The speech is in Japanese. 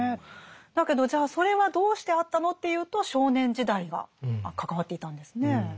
だけどじゃあそれはどうしてあったのっていうと少年時代が関わっていたんですね。